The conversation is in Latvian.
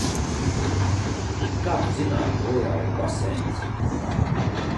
Kā tu zināji, ka lejā ir baseins?